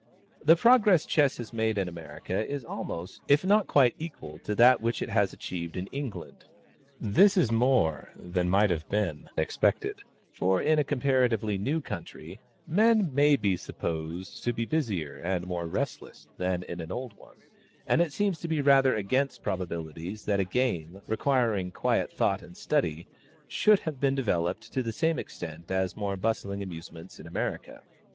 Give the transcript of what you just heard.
The progress Chess has made in America is almost, if not quite, equal to that which it has achieved in England. This is more than might have been expected; for in a comparatively new country men may be supposed to be busier and more restless than in an old one, and it seems to be rather against probabilities that a game, requiring quiet thought and study, should have been developed to the same extent as more bustling amusements in America.